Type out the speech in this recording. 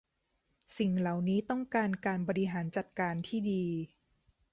สิ่งเหล่านี้ต้องการการบริหารจัดการที่ดี